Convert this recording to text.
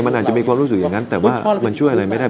มันอาจจะมีความรู้สึกอย่างนั้นแต่ว่ามันช่วยอะไรไม่ได้